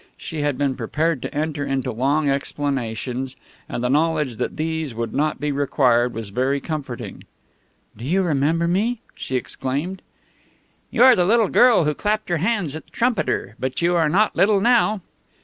She had been prepared to enter into long explanations, and the knowledge that these would not be required was very comforting. "Do you remember me?" she exclaimed. "You are the little girl who clapped her hands at the trumpeter, but you are not little now."